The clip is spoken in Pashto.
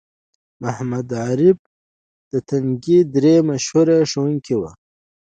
محمد عارف د تنگي درې مشهور ښوونکی وو